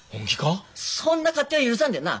そんな勝手は許さんでな。